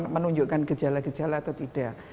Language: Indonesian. menunjukkan gejala gejala atau tidak